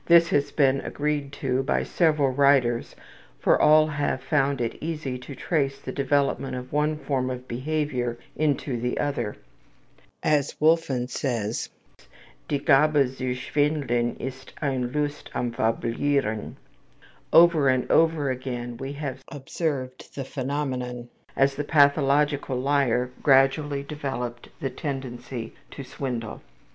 This has been agreed to by several writers, for all have found it easy to trace the development of one form of behavior into the other. As Wulffen says, ``Die Gabe zu Schwindeln ist eine `Lust am Fabulieren.' '' Over and over again we have observed the phenomenon as the pathological liar gradually developed the tendency to swindle.